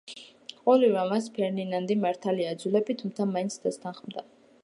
ყოველივე ამას ფერდინანდი მართალია იძულებით, თუმცა მაინც დასთანხმდა.